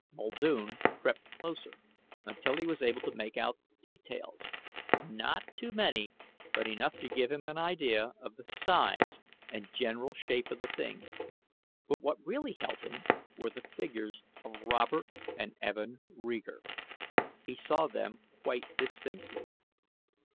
Muldoon crept closer until he was able to make out details. Not too many but enough to give him an idea of the size and general shape of the thing. But what really held him were the figures of Robert and Evin Reeger. He saw them quite distinctly.